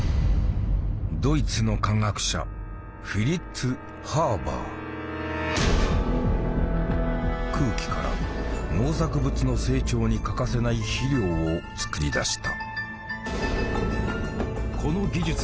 ドイツの空気から農作物の成長に欠かせない肥料を作り出した。